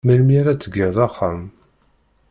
Melmi ara tgeḍ axxam?